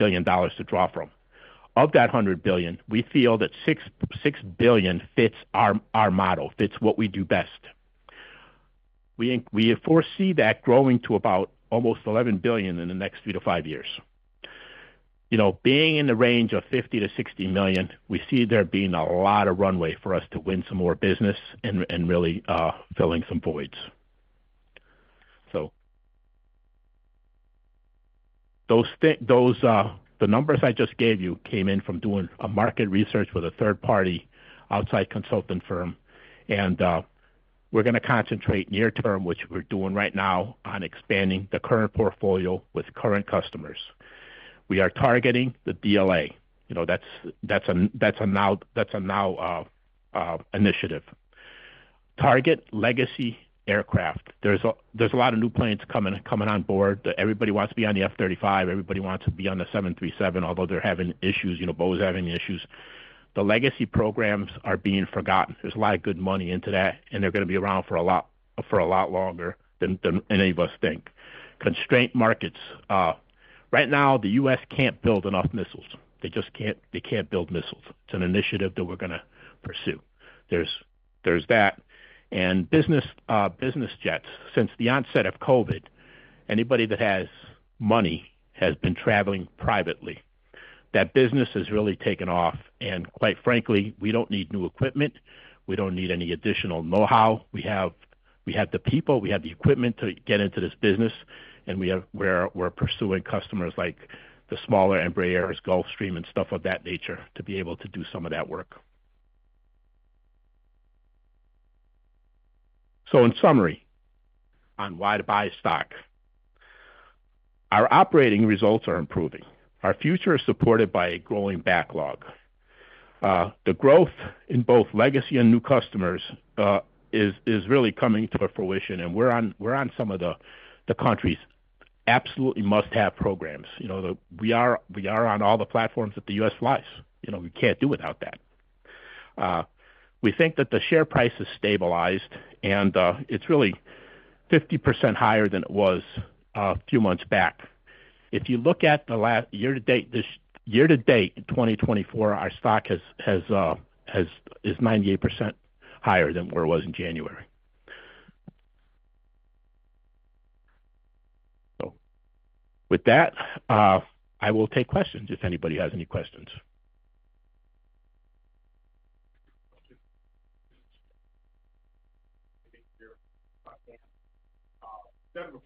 billion dollars to draw from. Of that $100 billion, we feel that $6 billion fits our model, fits what we do best. We foresee that growing to about almost $11 billion in the next three to five years. You know, being in the range of $50-$60 million, we see there being a lot of runway for us to win some more business and really filling some voids. So those, the numbers I just gave you came in from doing a market research with a third party outside consultant firm, and we're gonna concentrate near term, which we're doing right now, on expanding the current portfolio with current customers. We are targeting the DLA. You know, that's a now initiative. Target legacy aircraft. There's a lot of new planes coming on board. Everybody wants to be on the F-35. Everybody wants to be on the 737, although they're having issues, you know, Boeing's having issues. The legacy programs are being forgotten. There's a lot of good money into that, and they're gonna be around for a lot longer than any of us think. Constraint markets. Right now, the U.S. can't build enough missiles. They just can't build missiles. It's an initiative that we're gonna pursue. There's that and business jets. Since the onset of COVID, anybody that has money has been traveling privately. That business has really taken off, and quite frankly, we don't need new equipment. We don't need any additional know-how. We have the people, we have the equipment to get into this business, and we're pursuing customers like the smaller Embraers, Gulfstreams and stuff of that nature, to be able to do some of that work. In summary, on why to buy stock, our operating results are improving. Our future is supported by a growing backlog. The growth in both legacy and new customers is really coming to a fruition, and we're on some of the country's absolutely must-have programs. You know, we are on all the platforms that the U.S. flies. You know, we can't do without that. We think that the share price is stabilized and it's really 50% higher than it was a few months back. If you look at the last year to date, this year to date, in 2024 our stock is 98% higher than where it was in January. So with that, I will take questions if anybody has any questions.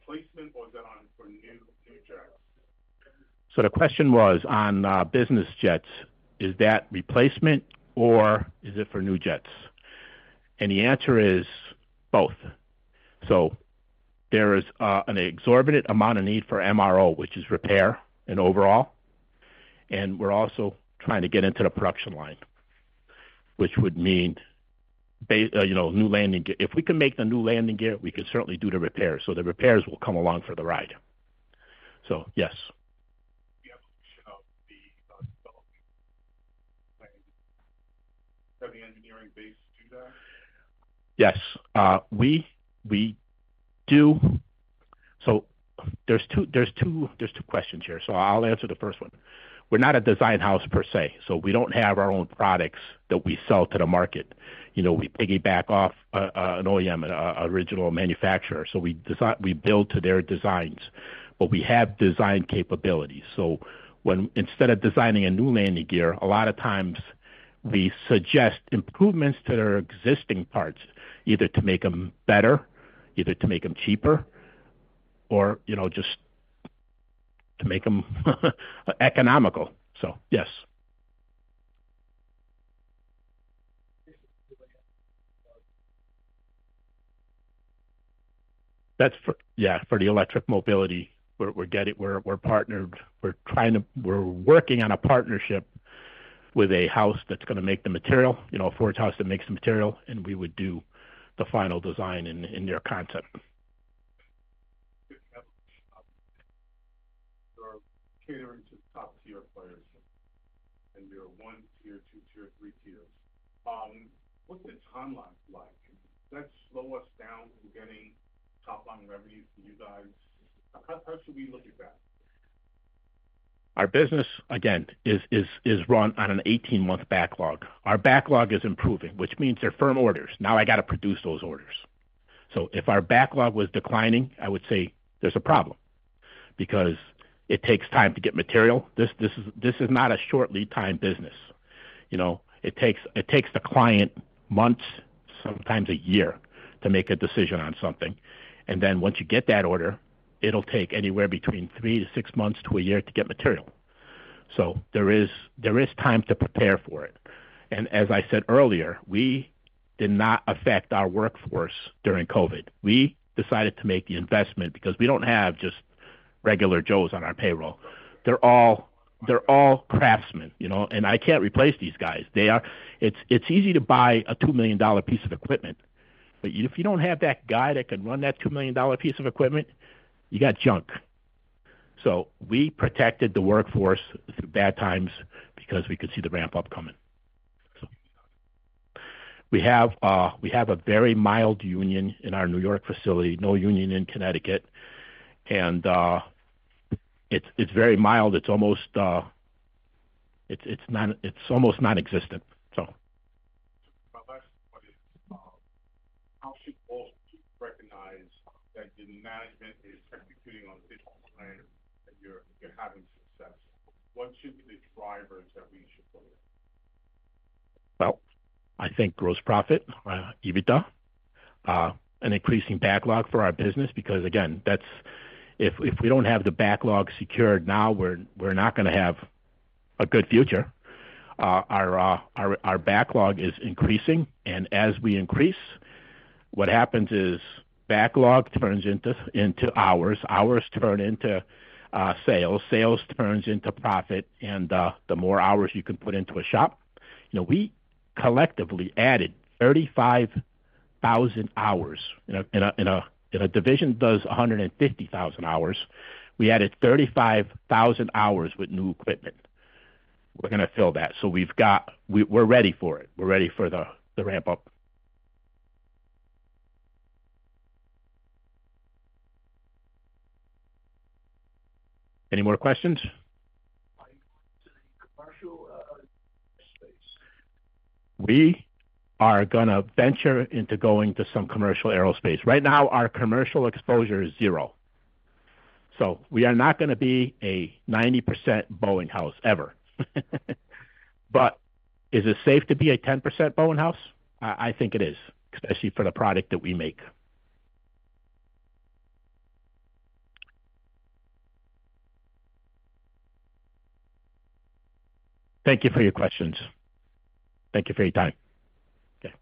Is that a replacement or is that on for new jets? The question was on business jets, is that replacement or is it for new jets? The answer is both. There is an exorbitant amount of need for MRO, which is repair and overhaul, and we're also trying to get into the production line, which would mean you know, new landing gear. If we can make the new landing gear, we can certainly do the repairs, so the repairs will come along for the ride. Yes. Do you have the engineering base to do that? Yes. We do. So there's two questions here, so I'll answer the first one. We're not a design house per se, so we don't have our own products that we sell to the market. You know, we piggyback off an OEM, original manufacturer. So we build to their designs, but we have design capabilities. So when instead of designing a new landing gear, a lot of times we suggest improvements to their existing parts, either to make them better, either to make them cheaper, or, you know, just to make them economical. So yes. That's for, yeah, for the electric mobility. We're working on a partnership with a house that's gonna make the material, you know, for a house that makes the material, and we would do the final design in their concept. You are catering to top-tier players, and there are one tier, two tier, three tiers. What's the timeline like? Does that slow us down from getting top-line revenue for you guys? How should we look at that? Our business, again, is run on an eighteen-month backlog. Our backlog is improving, which means they're firm orders. Now I got to produce those orders. So if our backlog was declining, I would say there's a problem, because it takes time to get material. This is not a short lead time business. You know, it takes the client months, sometimes a year, to make a decision on something, and then once you get that order, it'll take anywhere between three to six months to a year to get material. So there is time to prepare for it. And as I said earlier, we did not affect our workforce during COVID. We decided to make the investment because we don't have just regular Joes on our payroll. They're all craftsmen, you know, and I can't replace these guys. They are... It's easy to buy a $2 million piece of equipment, but if you don't have that guy that can run that $2 million piece of equipment, you got junk. We protected the workforce through bad times because we could see the ramp-up coming. We have a very mild union in our New York facility, no union in Connecticut. And it's very mild. It's almost nonexistent, so. My last question is, how should Wall Street recognize that the management is executing on the digital plan, and you're having success? What should be the drivers that we should look? I think gross profit, EBITDA, an increasing backlog for our business, because again, that's if we don't have the backlog secured now, we're not going to have a good future. Our backlog is increasing, and as we increase, what happens is backlog turns into hours, hours turn into sales, sales turns into profit, and the more hours you can put into a shop. You know, we collectively added 35,000 hours. In a division does 150,000 hours, we added 35,000 hours with new equipment. We're going to fill that. We've got. We're ready for it. We're ready for the ramp-up. Any more questions? Are you going to the commercial space? We are going to venture into going to some commercial aerospace. Right now, our commercial exposure is zero. So we are not going to be a 90% Boeing house ever. But is it safe to be a 10% Boeing house? I think it is, especially for the product that we make. Thank you for your questions. Thank you for your time. Okay.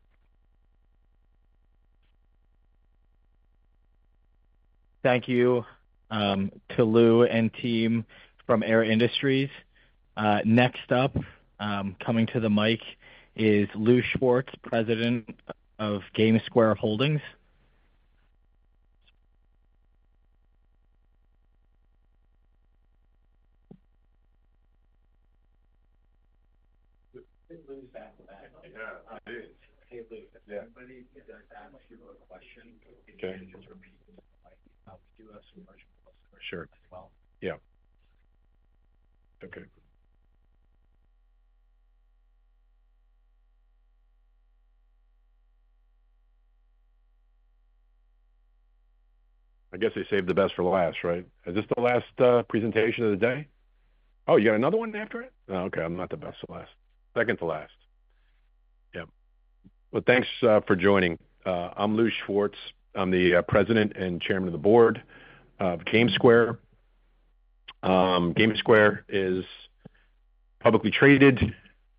Thank you to Lou and team from Air Industries. Next up, coming to the mic is Lou Schwartz, President of GameSquare Holdings. Lou's back to back. Yeah, it is. Hey, Lou. Yeah. If anybody does ask you a question. Okay. Could you just repeat it? Like, we do have some virtual- Sure. -as well. Yeah. Okay. I guess they saved the best for last, right? Is this the last presentation of the day? Oh, you got another one after it? Oh, okay. I'm not the best to last. Second to last. Yeah. Well, thanks for joining. I'm Lou Schwartz. I'm the President and Chairman of the Board of GameSquare. GameSquare is publicly traded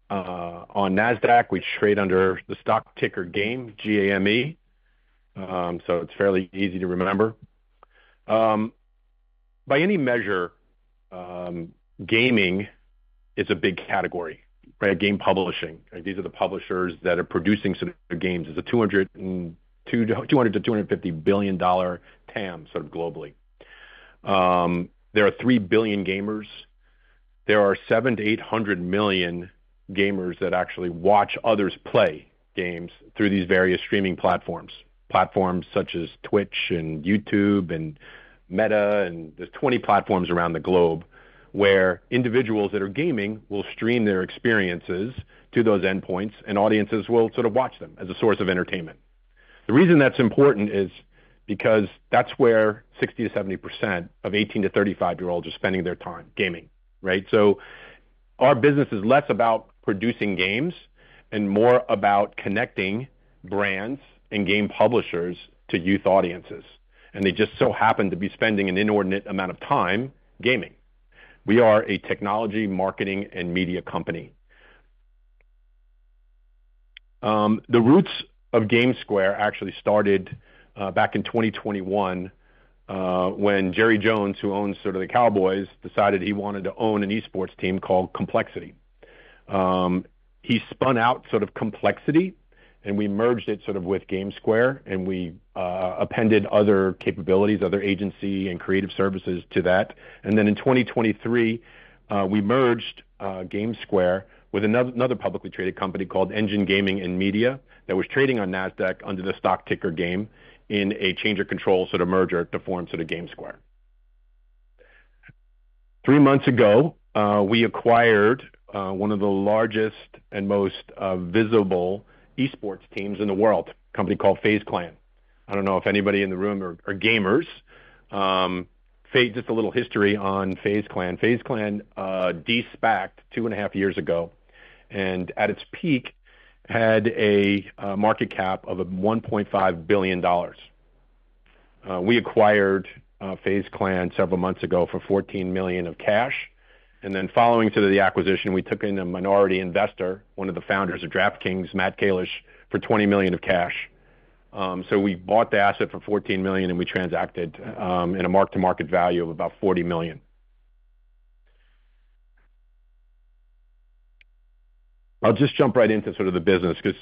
on Nasdaq. We trade under the stock ticker GAME, G-A-M-E, so it's fairly easy to remember. By any measure, gaming is a big category, right? Game publishing. These are the publishers that are producing some of the games. It's a $200-$250 billion TAM, sort of globally. There are 3 billion gamers. There are 700-800 million gamers that actually watch others play games through these various streaming platforms. Platforms such as Twitch and YouTube and Meta, and there's 20 platforms around the globe, where individuals that are gaming will stream their experiences to those endpoints, and audiences will sort of watch them as a source of entertainment. The reason that's important is because that's where 60%-70% of 18- to 35-year-olds are spending their time, gaming, right? So our business is less about producing games and more about connecting brands and game publishers to youth audiences, and they just so happen to be spending an inordinate amount of time gaming. We are a technology, marketing, and media company. The roots of GameSquare actually started back in 2021, when Jerry Jones, who owns sort of the Cowboys, decided he wanted to own an esports team called Complexity. He spun out sort of Complexity, and we merged it sort of with GameSquare, and we appended other capabilities, other agency and creative services to that. Then in 2023, we merged GameSquare with another publicly traded company called Engine Gaming and Media, that was trading on Nasdaq under the stock ticker GAME, in a change of control sort of merger to form sort of GameSquare. Three months ago, we acquired one of the largest and most visible esports teams in the world, a company called FaZe Clan. I don't know if anybody in the room are gamers. Just a little history on FaZe Clan. FaZe Clan de-SPACed two and a half years ago, and at its peak, had a market cap of $1.5 billion. We acquired FaZe Clan several months ago for $14 million of cash, and then following through the acquisition, we took in a minority investor, one of the founders of DraftKings, Matt Kalish, for $20 million of cash. So we bought the asset for $14 million, and we transacted in a mark-to-market value of about $40 million. I'll just jump right into sort of the business, because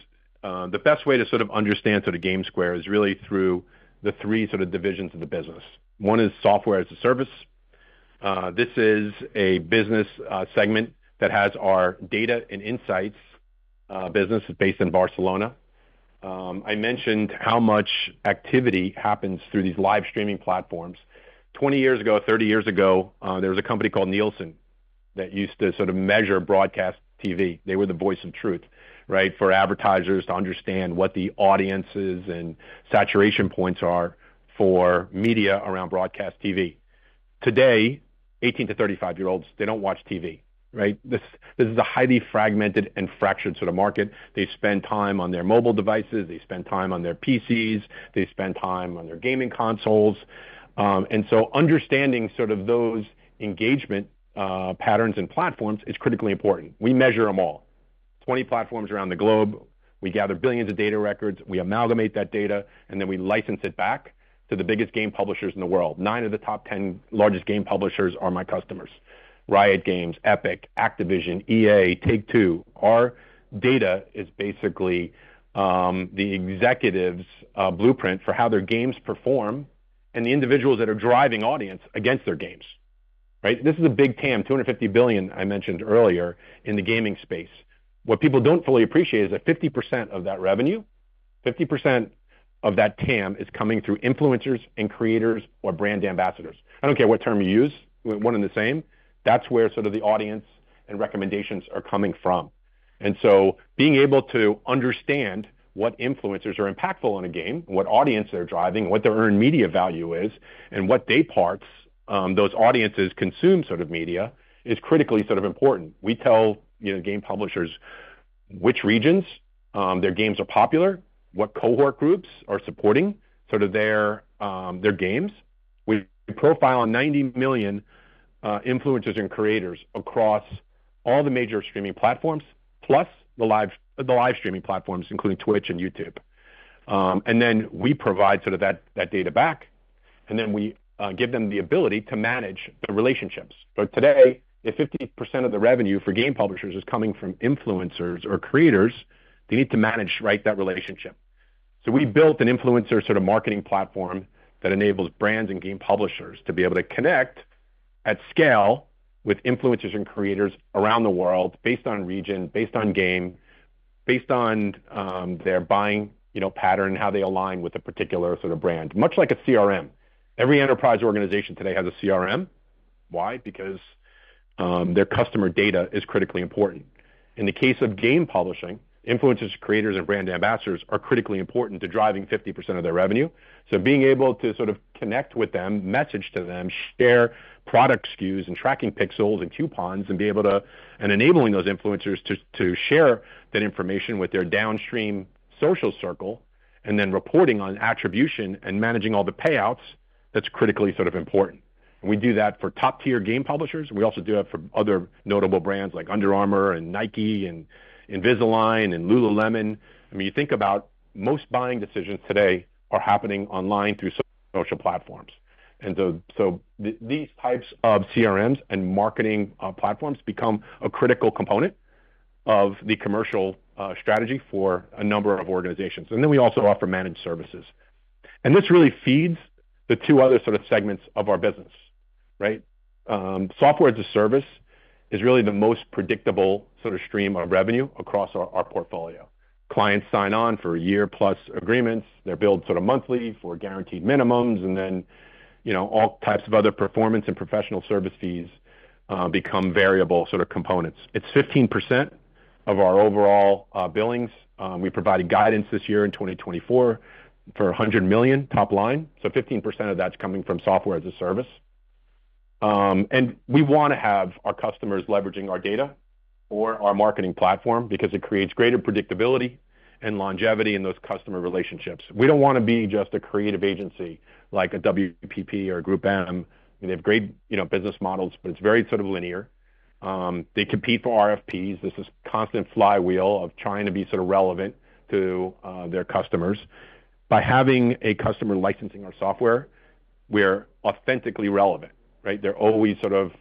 the best way to sort of understand sort of GameSquare is really through the three sort of divisions of the business. One is software as a service. This is a business segment that has our data and insights business is based in Barcelona. I mentioned how much activity happens through these live streaming platforms. Twenty years ago, thirty years ago, there was a company called Nielsen that used to sort of measure broadcast TV. They were the voice of truth, right? For advertisers to understand what the audiences and saturation points are for media around broadcast TV. Today, 18- to 35-year-olds, they don't watch TV, right? This is a highly fragmented and fractured sort of market. They spend time on their mobile devices, they spend time on their PCs, they spend time on their gaming consoles. And so understanding sort of those engagement patterns and platforms is critically important. We measure them all. 20 platforms around the globe. We gather billions of data records, we amalgamate that data, and then we license it back to the biggest game publishers in the world. 9 of the top 10 largest game publishers are my customers. Riot Games, Epic, Activision, EA, Take-Two. Our data is basically the executives' blueprint for how their games perform and the individuals that are driving audience against their games, right? This is a big TAM, $250 billion, I mentioned earlier, in the gaming space. What people don't fully appreciate is that 50% of that revenue, 50% of that TAM, is coming through influencers and creators or brand ambassadors. I don't care what term you use, we're one and the same. That's where sort of the audience and recommendations are coming from. And so being able to understand what influencers are impactful in a game, what audience they're driving, what their earned media value is, and what day parts those audiences consume sort of media, is critically sort of important. We tell, you know, game publishers which regions their games are popular, what cohort groups are supporting sort of their games. We profile 90 million influencers and creators across all the major streaming platforms, plus the live streaming platforms, including Twitch and YouTube. And then we provide sort of that data back, and then we give them the ability to manage the relationships. So today, if 50% of the revenue for game publishers is coming from influencers or creators, they need to manage, right, that relationship. So we built an influencer sort of marketing platform that enables brands and game publishers to be able to connect at scale with influencers and creators around the world based on region, based on game, based on their buying, you know, pattern, how they align with a particular sort of brand. Much like a CRM. Every enterprise organization today has a CRM. Why? Because their customer data is critically important. In the case of game publishing, influencers, creators, and brand ambassadors are critically important to driving 50% of their revenue. So being able to sort of connect with them, message to them, share product SKUs and tracking pixels and coupons, and be able to... and enabling those influencers to share that information with their downstream social circle, and then reporting on attribution and managing all the payouts, that's critically sort of important. And we do that for top-tier game publishers, and we also do that for other notable brands like Under Armour and Nike and Invisalign and Lululemon. I mean, you think about most buying decisions today are happening online through social platforms. And so these types of CRMs and marketing platforms become a critical component of the commercial strategy for a number of organizations. And then we also offer managed services. And this really feeds the two other sort of segments of our business, right? Software as a service is really the most predictable sort of stream of revenue across our portfolio. Clients sign on for a year-plus agreements. They're billed sort of monthly for guaranteed minimums, and then, you know, all types of other performance and professional service fees become variable sort of components. It's 15% of our overall billings. We provided guidance this year in 2024 for a $100 million top line, so 15% of that's coming from software as a service. And we wanna have our customers leveraging our data or our marketing platform because it creates greater predictability and longevity in those customer relationships. We don't wanna be just a creative agency like a WPP or GroupM. I mean, they have great, you know, business models, but it's very sort of linear. They compete for RFPs. This is constant flywheel of trying to be sort of relevant to their customers. By having a customer licensing our software, we're authentically relevant, right? They're always sort of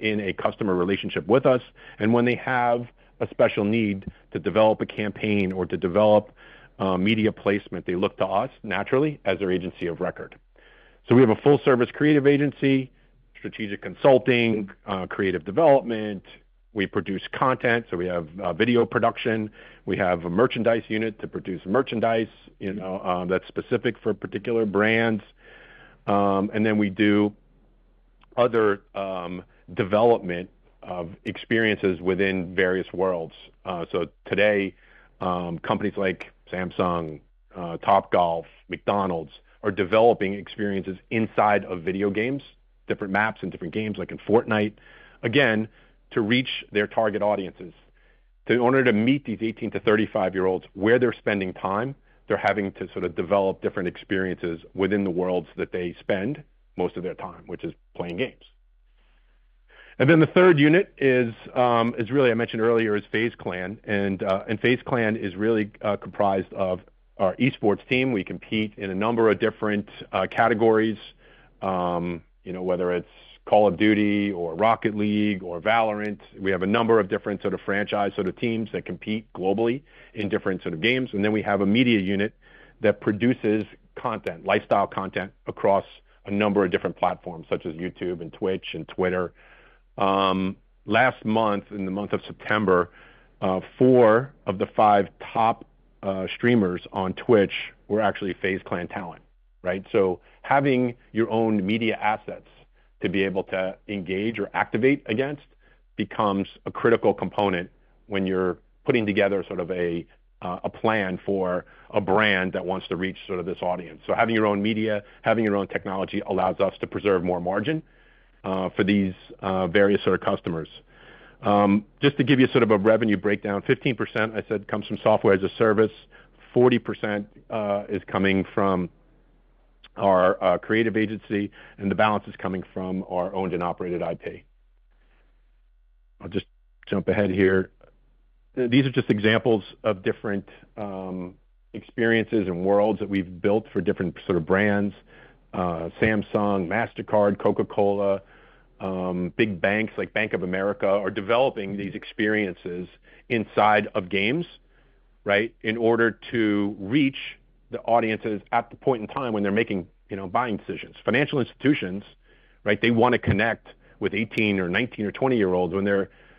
in a customer relationship with us, and when they have a special need to develop a campaign or to develop media placement, they look to us naturally as their agency of record. So we have a full-service creative agency, strategic consulting, creative development. We produce content, so we have video production. We have a merchandise unit to produce merchandise, you know, that's specific for particular brands. And then we do other development of experiences within various worlds. So today, companies like Samsung, Topgolf, McDonald's, are developing experiences inside of video games, different maps and different games, like in Fortnite, again, to reach their target audiences. In order to meet these 18 to 35-year-olds where they're spending time, they're having to sort of develop different experiences within the worlds that they spend most of their time, which is playing games. And then the third unit is really, I mentioned earlier, FaZe Clan. And FaZe Clan is really comprised of our esports team. We compete in a number of different categories, you know, whether it's Call of Duty or Rocket League or Valorant. We have a number of different sort of franchise sort of teams that compete globally in different sort of games. And then we have a media unit that produces content, lifestyle content, across a number of different platforms, such as YouTube and Twitch and Twitter. Last month, in the month of September, four of the five top streamers on Twitch were actually FaZe Clan talent.... Right? So having your own media assets to be able to engage or activate against, becomes a critical component when you're putting together sort of a plan for a brand that wants to reach sort of this audience. So having your own media, having your own technology, allows us to preserve more margin for these various sort of customers. Just to give you sort of a revenue breakdown, 15%, I said, comes from software as a service, 40% is coming from our creative agency, and the balance is coming from our owned and operated IP. I'll just jump ahead here. These are just examples of different experiences and worlds that we've built for different sort of brands, Samsung, Mastercard, Coca-Cola, big banks like Bank of America, are developing these experiences inside of games, right? In order to reach the audiences at the point in time when they're making, you know, buying decisions. Financial institutions, right, they wanna connect with eighteen or nineteen or twenty-year-olds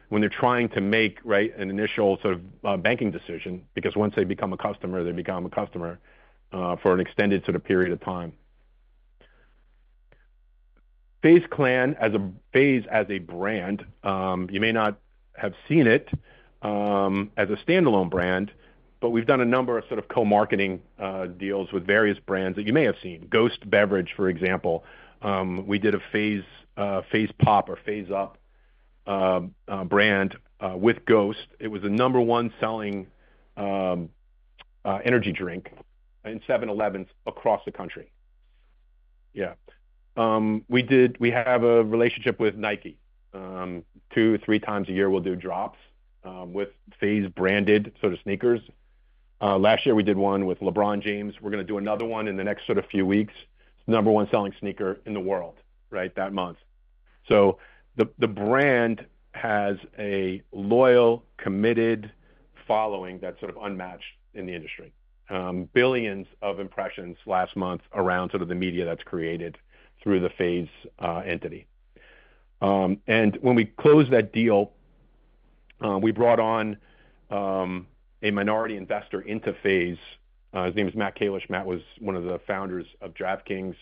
when they're trying to make, right, an initial sort of banking decision, because once they become a customer, they become a customer for an extended sort of period of time. FaZe Clan as a FaZe as a brand, you may not have seen it, as a standalone brand, but we've done a number of sort of co-marketing, deals with various brands that you may have seen. Ghost Beverage, for example, we did a FaZe, FaZe Pop or FaZe Up, brand, with Ghost. It was the number one selling, energy drink in 7-Elevens across the country. Yeah. We did-- we have a relationship with Nike. Two, three times a year, we'll do drops, with FaZe-branded sort of sneakers. Last year we did one with LeBron James. We're gonna do another one in the next sort of few weeks. Number one selling sneaker in the world, right, that month. So the, the brand has a loyal, committed following that's sort of unmatched in the industry. Billions of impressions last month around sort of the media that's created through the FaZe entity, and when we closed that deal, we brought on a minority investor into FaZe. His name is Matthew Kalish. Matt was one of the founders of DraftKings.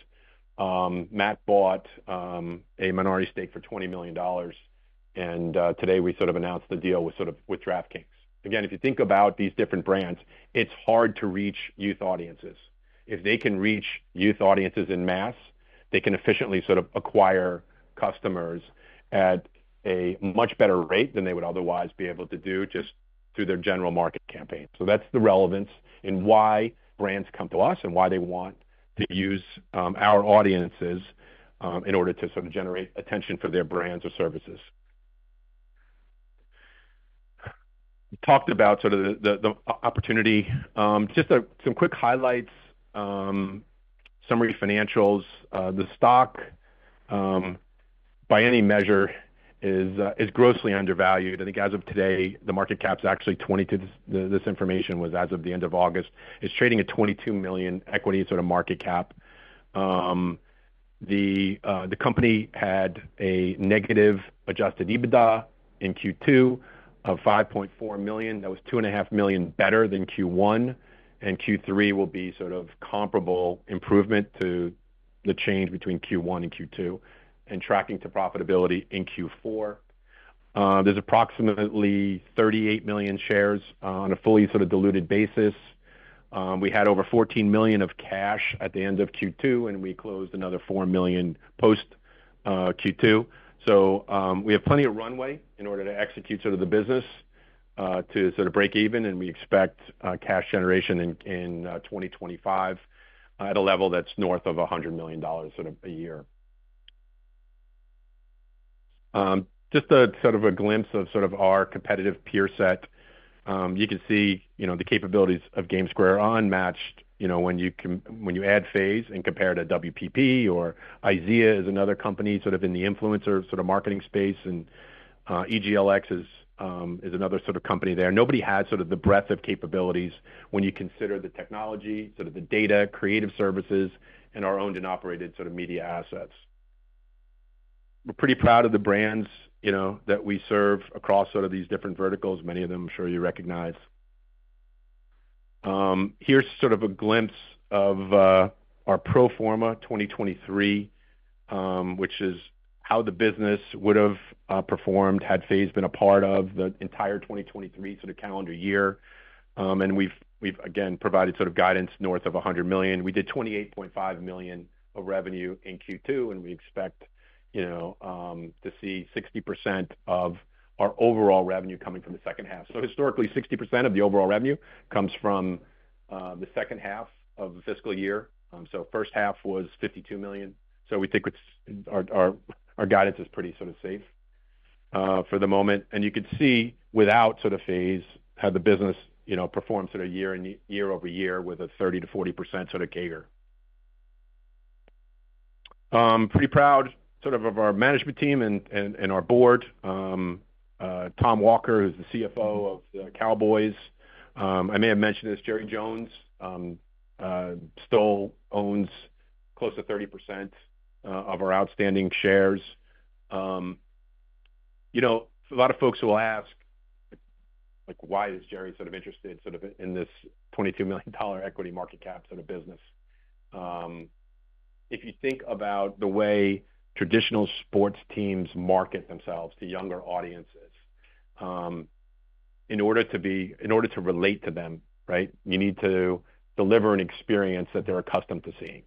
Matt bought a minority stake for $20 million, and today we sort of announced the deal with DraftKings. Again, if you think about these different brands, it's hard to reach youth audiences. If they can reach youth audiences en masse, they can efficiently sort of acquire customers at a much better rate than they would otherwise be able to do just through their general market campaign. That's the relevance in why brands come to us and why they want to use our audiences in order to sort of generate attention for their brands or services. Talked about sort of the opportunity. Just some quick highlights, summary financials. The stock by any measure is grossly undervalued. I think as of today, the market cap's actually twenty to... This information was as of the end of August. It's trading at $22 million equity sort of market cap. The company had a negative adjusted EBITDA in Q2 of $5.4 million. That was $2.5 million better than Q1, and Q3 will be sort of comparable improvement to the change between Q1 and Q2, and tracking to profitability in Q4. There's approximately 38 million shares on a fully sort of diluted basis. We had over $14 million of cash at the end of Q2, and we closed another $4 million post Q2. We have plenty of runway in order to execute sort of the business to sort of break even, and we expect cash generation in 2025 at a level that's north of $100 million sort of a year. Just a sort of a glimpse of sort of our competitive peer set. You can see, you know, the capabilities of GameSquare are unmatched, you know, when you add FaZe and compare it to WPP or IZEA is another company sort of in the influencer sort of marketing space, and EGLX is another sort of company there. Nobody has sort of the breadth of capabilities when you consider the technology, sort of the data, creative services, and our owned and operated sort of media assets. We're pretty proud of the brands, you know, that we serve across sort of these different verticals. Many of them, I'm sure you recognize. Here's sort of a glimpse of our pro forma 2023, which is how the business would have performed had FaZe been a part of the entire 2023 calendar year. And we've again provided sort of guidance north of $100 million. We did $28.5 million of revenue in Q2, and we expect, you know, to see 60% of our overall revenue coming from the second half. So historically, 60% of the overall revenue comes from the second half of the fiscal year. So first half was $52 million. So we think our guidance is pretty sort of safe for the moment. And you could see without sort of FaZe, how the business, you know, performs sort of year over year with a 30%-40% sort of CAGR. Pretty proud sort of our management team and our board. Tom Walker, who's the CFO of the Cowboys. I may have mentioned this, Jerry Jones still owns close to 30% of our outstanding shares. You know, a lot of folks will ask like, why is Jerry sort of interested sort of in this $22 million equity market cap sort of business? If you think about the way traditional sports teams market themselves to younger audiences, in order to relate to them, right, you need to deliver an experience that they're accustomed to seeing.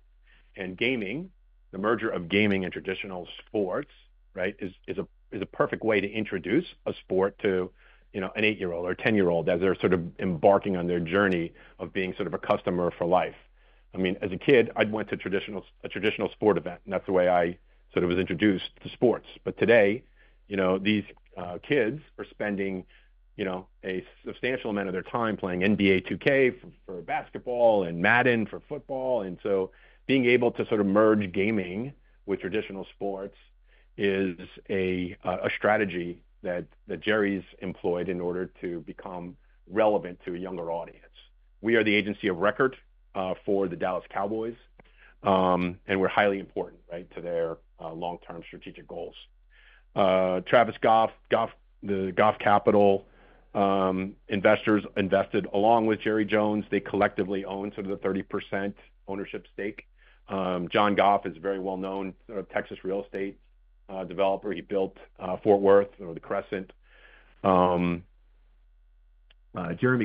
And gaming, the merger of gaming and traditional sports, right, is a perfect way to introduce a sport to, you know, an eight-year-old or a 10-year-old as they're sort of embarking on their journey of being sort of a customer for life. I mean, as a kid, I'd went to a traditional sport event, and that's the way I sort of was introduced to sports. But today, you know, these kids are spending, you know, a substantial amount of their time playing NBA 2K for basketball and Madden for football. And so being able to sort of merge gaming with traditional sports is a strategy that Jerry's employed in order to become relevant to a younger audience. We are the agency of record for the Dallas Cowboys, and we're highly important, right, to their long-term strategic goals. Travis Goff of Goff Capital investors invested along with Jerry Jones. They collectively own sort of the 30% ownership stake. John Goff is a very well-known Texas real estate developer. He built Fort Worth or The Crescent. Jeremi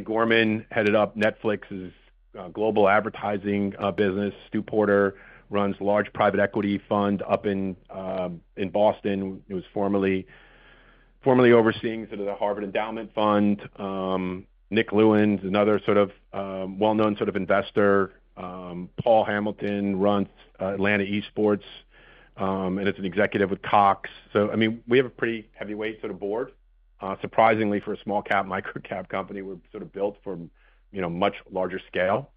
Gorman headed up Netflix's global advertising business. Stu Porter runs a large private equity fund up in in Boston. He was formerly overseeing sort of the Harvard Endowment Fund. Nick Lewin is another sort of well-known sort of investor. Paul Hamilton runs Atlanta Esports and is an executive with Cox. So I mean, we have a pretty heavyweight sort of board. Surprisingly, for a small-cap, micro-cap company, we're sort of built for, you know, much larger scale.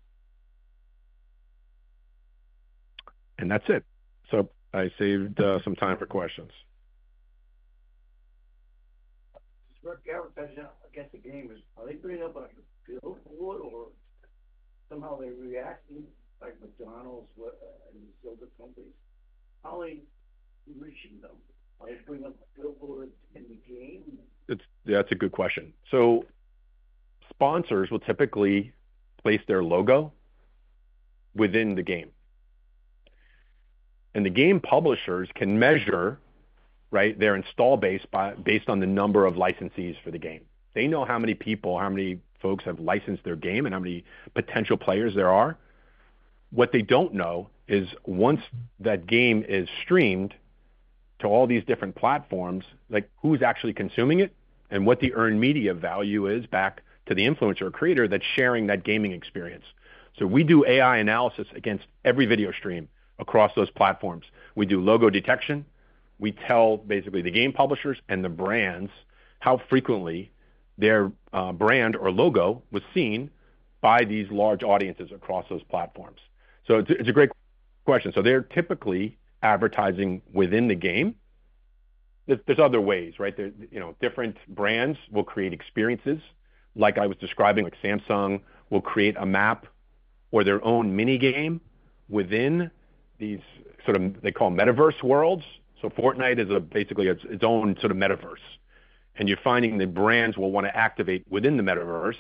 And that's it. So I saved some time for questions. Just real quick, I guess the gamers, are they bringing up, like, a billboard or somehow they're reacting like McDonald's and other companies? How are they reaching them? Are they bringing up billboards in the game? That's a good question. So sponsors will typically place their logo within the game, and the game publishers can measure, right, their install base based on the number of licensees for the game. They know how many people, how many folks have licensed their game and how many potential players there are. What they don't know is once that game is streamed to all these different platforms, like, who's actually consuming it and what the earned media value is back to the influencer or creator that's sharing that gaming experience. So we do AI analysis against every video stream across those platforms. We do logo detection. We tell basically the game publishers and the brands how frequently their brand or logo was seen by these large audiences across those platforms. So it's a, it's a great question. So they're typically advertising within the game. There's other ways, right? You know, different brands will create experiences. Like I was describing, like Samsung will create a map or their own mini-game within these sort of they call metaverse worlds. So Fortnite is basically its own sort of metaverse, and you're finding that brands will want to activate within the metaverse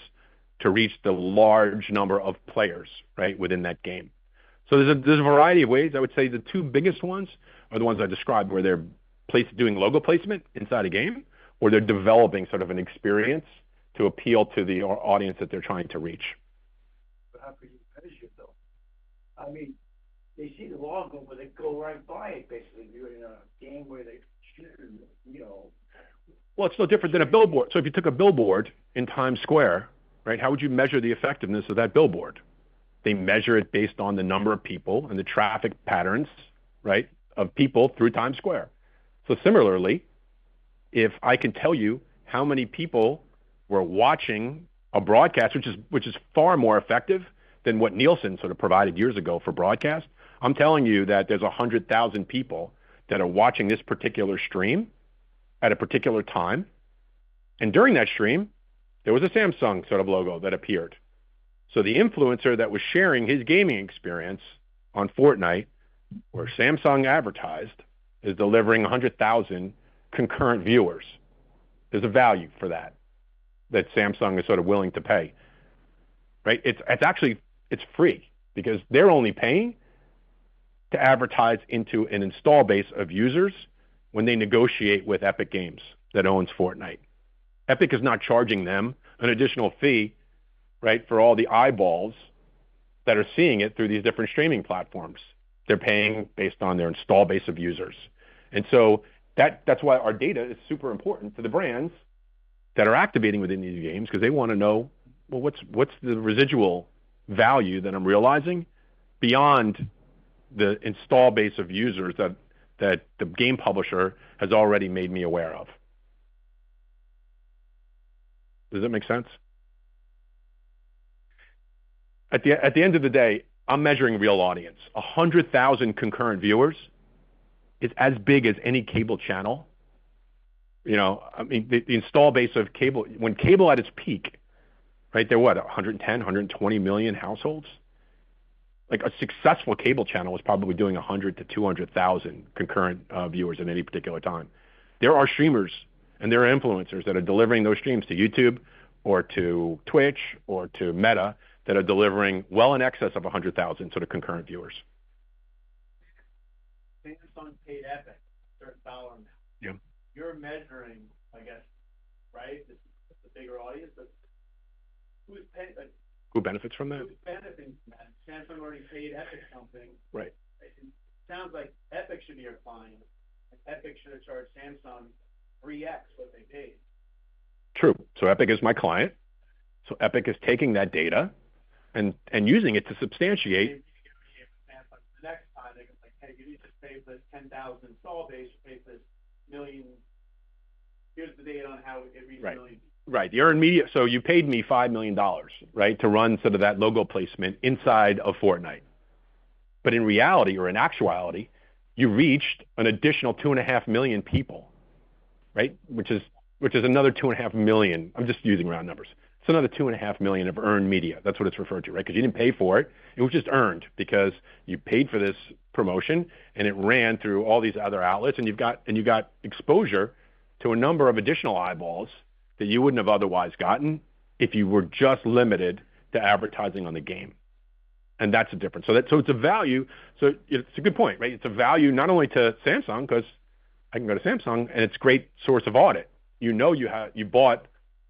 to reach the large number of players, right, within that game. So there's a variety of ways. I would say the two biggest ones are the ones I described, where they're doing logo placement inside a game or they're developing sort of an experience to appeal to the audience that they're trying to reach. But how can you measure, though? I mean, they see the logo, but they go right by it, basically, during a game where they, you know- It's no different than a billboard. If you took a billboard in Times Square, right, how would you measure the effectiveness of that billboard? They measure it based on the number of people and the traffic patterns, right, of people through Times Square. Similarly, if I can tell you how many people were watching a broadcast, which is far more effective than what Nielsen sort of provided years ago for broadcast, I'm telling you that there's 100,000 people that are watching this particular stream at a particular time, and during that stream, there was a Samsung sort of logo that appeared. The influencer that was sharing his gaming experience on Fortnite, where Samsung advertised, is delivering 100,000 concurrent viewers. There's a value for that, that Samsung is sort of willing to pay, right? It's actually free because they're only paying to advertise into an install base of users when they negotiate with Epic Games that owns Fortnite. Epic is not charging them an additional fee, right, for all the eyeballs that are seeing it through these different streaming platforms. They're paying based on their install base of users. And so that's why our data is super important to the brands that are activating within these games because they want to know, well, what's the residual value that I'm realizing beyond the install base of users that the game publisher has already made me aware of? Does that make sense? At the end of the day, I'm measuring real audience. A hundred thousand concurrent viewers is as big as any cable channel. You know, I mean, the install base of cable... When cable at its peak, right, there were what? A hundred and ten, hundred and twenty million households. Like a successful cable channel is probably doing a hundred to two hundred thousand concurrent viewers at any particular time. There are streamers and there are influencers that are delivering those streams to YouTube or to Twitch or to Meta, that are delivering well in excess of a hundred thousand sort of concurrent viewers. Samsung paid Epic certain dollars. Yeah. You're measuring, I guess, right? The bigger audience, but who is pay- Who benefits from that? Who benefits from that? Samsung already paid Epic something. Right. It sounds like Epic should charge Samsung three X what they paid. True. So Epic is my client. So Epic is taking that data and using it to substantiate- Samsung, the next time, they're gonna say, "Hey, you need to pay this 10,000 install base to pay this 1 million. Here's the data on how it reached 1 million. Right. The earned media. So you paid me $5 million, right? To run sort of that logo placement inside of Fortnite. But in reality or in actuality, you reached an additional 2.5 million people, right? Which is another 2.5 million. I'm just using round numbers. So another 2.5 million of earned media. That's what it's referred to, right? 'Cause you didn't pay for it. It was just earned because you paid for this promotion and it ran through all these other outlets, and you got exposure to a number of additional eyeballs that you wouldn't have otherwise gotten if you were just limited to advertising on the game. And that's the difference. So that, so it's a value. So it's a good point, right? It's a value not only to Samsung, 'cause I can go to Samsung, and it's a great source of audit. You know you have... You bought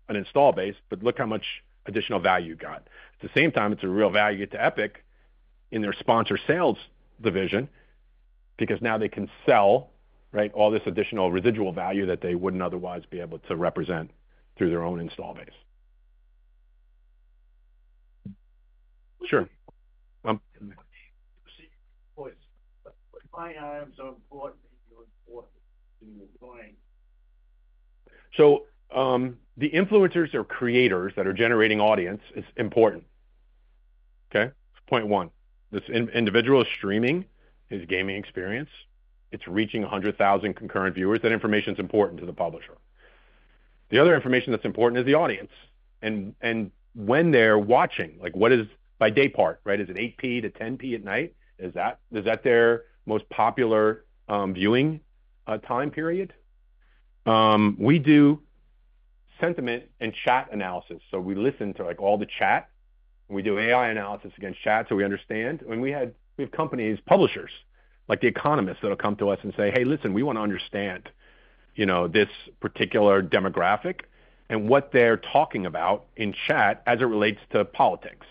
an installed base, but look how much additional value you got. At the same time, it's a real value to Epic in their sponsor sales division, because now they can sell, right, all this additional residual value that they wouldn't otherwise be able to represent through their own installed base. Sure. But my items are important, and you're important in the point. The influencers or creators that are generating audience is important, okay? Point one. This individual is streaming his gaming experience. It's reaching 100,000 concurrent viewers. That information is important to the publisher. The other information that's important is the audience and when they're watching, like what is by day part, right? Is it 8 P.M. to 10 P.M. at night? Is that their most popular viewing time period? We do sentiment and chat analysis. So we listen to, like, all the chat, and we do AI analysis against chat, so we understand. We have companies, publishers, like The Economist, that will come to us and say, "Hey, listen, we want to understand, you know, this particular demographic and what they're talking about in chat as it relates to politics.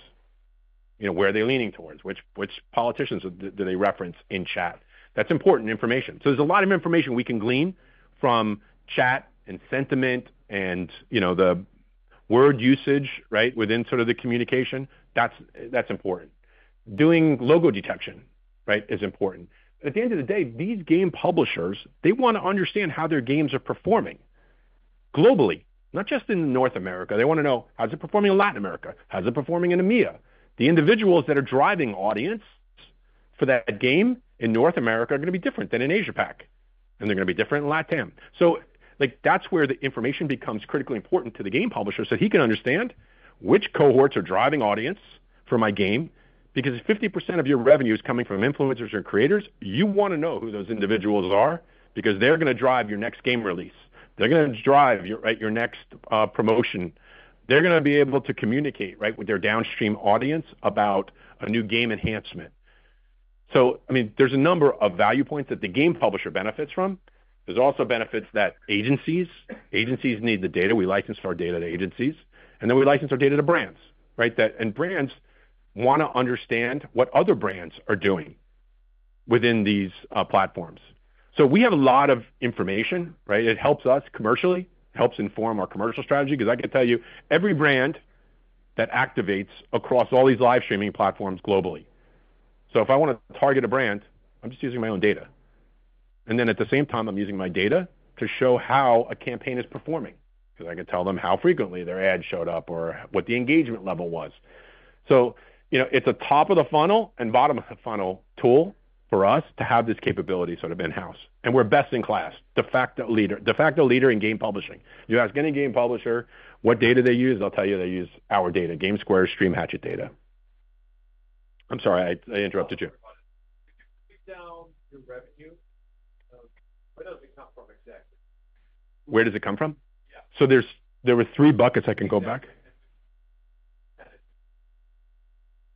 You know, where are they leaning towards? Which, which politicians do, do they reference in chat?" That's important information. So there's a lot of information we can glean from chat and sentiment and, you know, the word usage, right, within sort of the communication. That's important. Doing logo detection, right, is important. But at the end of the day, these game publishers, they wanna understand how their games are performing globally, not just in North America. They wanna know: how's it performing in Latin America? How's it performing in EMEA? The individuals that are driving audience for that game in North America are gonna be different than in Asia-Pac, and they're gonna be different in LATAM. So, like, that's where the information becomes critically important to the game publisher, so he can understand which cohorts are driving audience for my game. Because if 50% of your revenue is coming from influencers or creators, you wanna know who those individuals are because they're gonna drive your next game release. They're gonna drive your, right, your next promotion. They're gonna be able to communicate, right, with their downstream audience about a new game enhancement. So, I mean, there's a number of value points that the game publisher benefits from. There's also benefits that agencies need the data. We license our data to agencies, and then we license our data to brands, right? That. And brands wanna understand what other brands are doing within these platforms. So we have a lot of information, right? It helps us commercially, helps inform our commercial strategy, 'cause I can tell you every brand that activates across all these live streaming platforms globally. So if I wanna target a brand, I'm just using my own data. And then at the same time, I'm using my data to show how a campaign is performing, 'cause I can tell them how frequently their ad showed up or what the engagement level was. So you know, it's a top of the funnel and bottom of the funnel tool for us to have this capability sort of in-house, and we're best in class, de facto leader, de facto leader in game publishing. You ask any game publisher what data they use, they'll tell you they use our data, GameSquare, Stream Hatchet data. I'm sorry, I interrupted you. Break down your revenue. Where does it come from exactly? Where does it come from? Yeah. There were three buckets I can go back.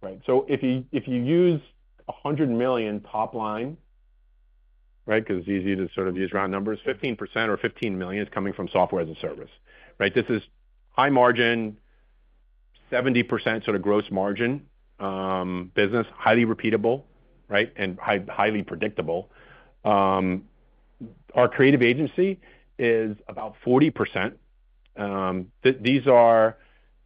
Right. So if you use $100 million top line, right, 'cause it's easy to sort of use round numbers, 15% or $15 million is coming from software as a service, right? This is high margin, 70% sort of gross margin, business. Highly repeatable, right, and highly predictable. Our creative agency is about 40%. These are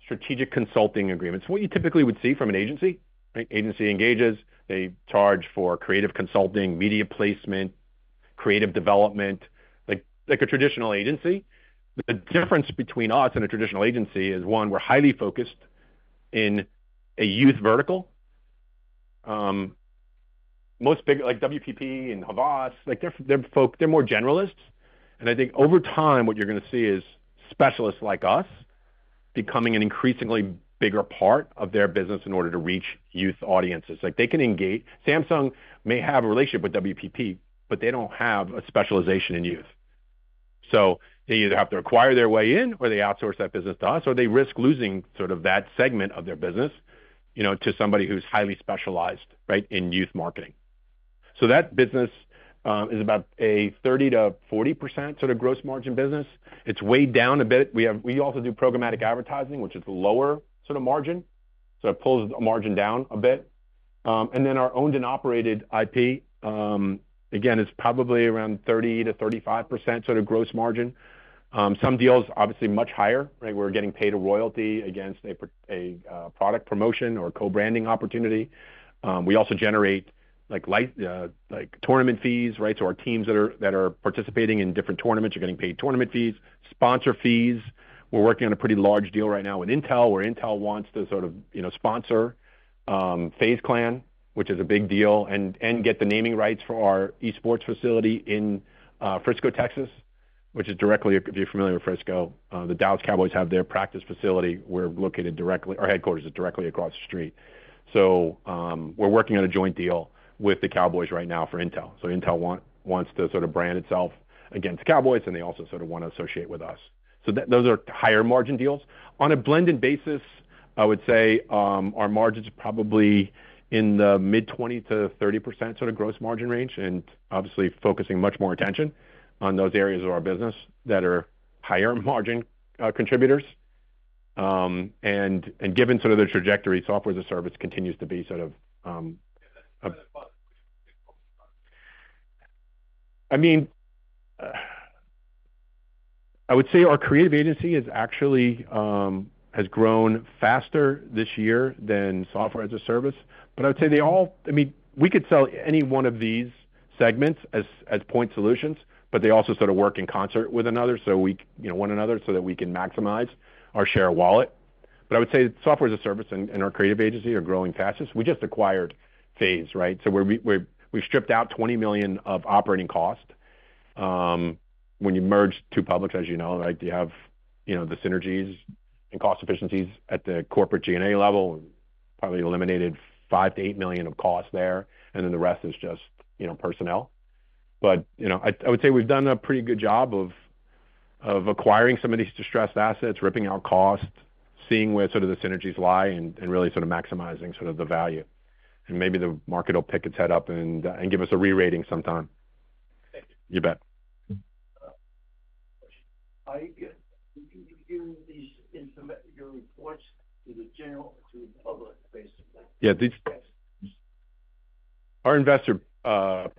strategic consulting agreements, what you typically would see from an agency, right? Agency engages, they charge for creative consulting, media placement, creative development, like, like a traditional agency. The difference between us and a traditional agency is, one, we're highly focused in a youth vertical. Most big, like WPP and Havas, like they're more generalists. I think over time, what you're gonna see is specialists like us becoming an increasingly bigger part of their business in order to reach youth audiences. Like, they can engage. Samsung may have a relationship with WPP, but they don't have a specialization in youth. So they either have to acquire their way in, or they outsource that business to us, or they risk losing sort of that segment of their business, you know, to somebody who's highly specialized, right, in youth marketing. So that business is about a 30%-40% sort of gross margin business. It's weighed down a bit. We also do programmatic advertising, which is lower sort of margin, so it pulls the margin down a bit. And then our owned and operated IP, again, is probably around 30%-35% sort of gross margin. Some deals obviously much higher, right? We're getting paid a royalty against a product promotion or co-branding opportunity. We also generate, like, light, like, tournament fees, right? So our teams that are participating in different tournaments are getting paid tournament fees, sponsor fees. We're working on a pretty large deal right now with Intel, where Intel wants to sort of, you know, sponsor FaZe Clan, which is a big deal, and get the naming rights for our esports facility in Frisco, Texas, which is directly. If you're familiar with Frisco, the Dallas Cowboys have their practice facility. Our headquarters is directly across the street. So, we're working on a joint deal with the Cowboys right now for Intel. So Intel wants to sort of brand itself against the Cowboys, and they also sort of want to associate with us. Those are higher margin deals. On a blended basis, I would say, our margin's probably in the mid-20% to 30% sort of gross margin range, and obviously focusing much more attention on those areas of our business that are higher margin contributors. And given sort of the trajectory, software as a service continues to be sort of, I mean, I would say our creative agency is actually has grown faster this year than software as a service. But I would say they all... I mean, we could sell any one of these segments as point solutions, but they also sort of work in concert with one another, so that we can maximize our share of wallet. But I would say software as a service and our creative agency are growing fastest. We just acquired FaZe, right? So we're, we've stripped out $20 million of operating costs. When you merge two publics, as you know, right, you have the synergies and cost efficiencies at the corporate G&A level, and probably eliminated $5 million-$8 million of costs there, and then the rest is just, you know, personnel. But, you know, I would say we've done a pretty good job of acquiring some of these distressed assets, ripping out costs, seeing where sort of the synergies lie, and really sort of maximizing sort of the value. And maybe the market will pick its head up and give us a re-rating sometime. Thank you. You bet. Can you give these information, your reports, to the general public, basically? Yeah. These- Yes. Our investor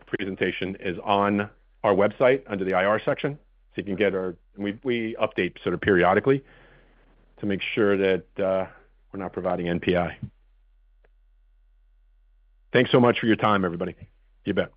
presentation is on our website under the IR section, so you can get our... We update sort of periodically to make sure that we're not providing NPI. Thanks so much for your time, everybody. You bet.